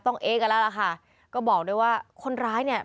เอ๊ะกันแล้วล่ะค่ะก็บอกด้วยว่าคนร้ายเนี่ย